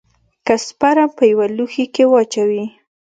که سپرم په يوه لوښي کښې واچوې.